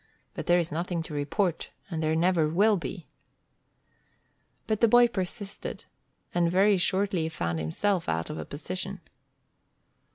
"But there's nothing to report, and there never will be." But the boy persisted, and very shortly he found himself out of a position.